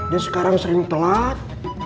dia sekarang sering telat